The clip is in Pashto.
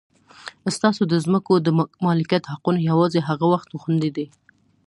ستاسو د ځمکو د مالکیت حقونه یوازې هغه وخت خوندي دي.